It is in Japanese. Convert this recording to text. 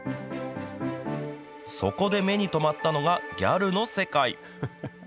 そこで目に留まったのが、ギャルの世界。